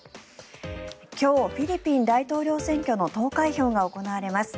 今日、フィリピン大統領選挙の投開票が行われます。